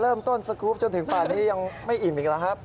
เริ่มต้นสกรุปจนถึงป่านี้ยังไม่อิ่มอีกนะครับ